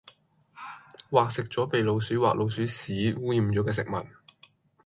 或食左被老鼠或老鼠屎污染左既食物